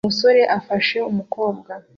Umusore afashe umukobwa